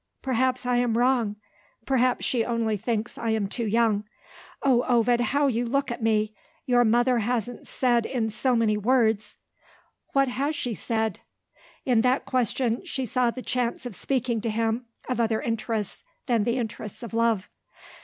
Perhaps I am wrong? Perhaps she only thinks I am too young. Oh, Ovid, how you look at me! Your mother hasn't said in so many words " "What has she said?" In that question she saw the chance of speaking to him of other interests than the interests of love.